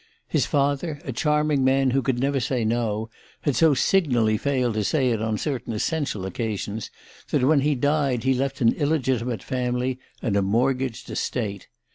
His father, a charming man who could never say "no," had so signally failed to say it on certain essential occasions that when he died he left an illegitimate family and a mortgaged estate.